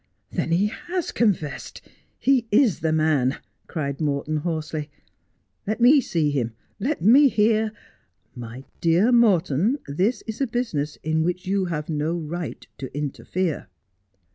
' Then he has confessed — he is the man/ cried Morton hoarsely. ' Let me see him — let me hear '' My dear Morton, this is a business in which you have no right to interfere.'